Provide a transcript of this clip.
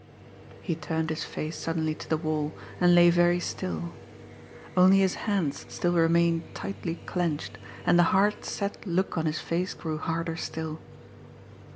He turned his face suddenly to the wall, and lay very still only his hands still remained tightly clenched, and the hard, set look on his face grew harder still.